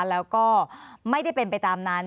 แล้วก็ไม่ได้เป็นไปตามนั้น